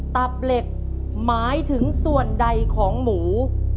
ตับเหล็กหมายถึงส่วนใดของหมู